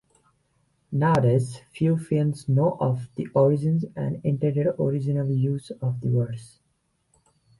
Nowadays few Finns know of the origins and intended original use of the words.